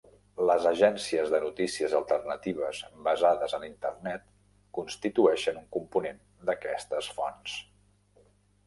Les agències de notícies alternatives basades en Internet constitueixen un component d'aquestes fonts.